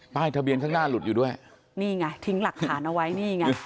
ทะเบียนข้างหน้าหลุดอยู่ด้วยนี่ไงทิ้งหลักฐานเอาไว้นี่ไง